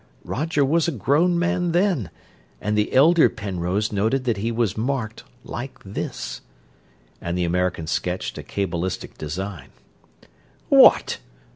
Roger was a grown man then, and the elder Penrose noted that he was marked, like this," and the American sketched a cabalistic design. "What!"